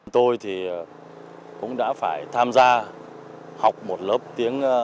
tôi thì cũng đã phải tham gia học một lớp tiếng